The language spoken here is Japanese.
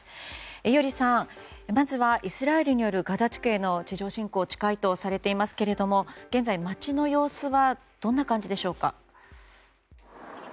伊従さん、まずはイスラエルによるガザ地区への地上侵攻が近いとされていますが現在、街の様子はどんな感じでしょうか？